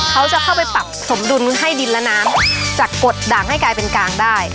เขาจะเข้าไปปรับสมดุลให้ดินและน้ำจากกดด่างให้กลายเป็นกลางได้